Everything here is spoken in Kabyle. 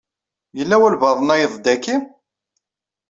Yella walebɛaḍ-nnayeḍ daki?